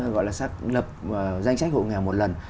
gọi là xác lập danh sách hộ nghèo một lần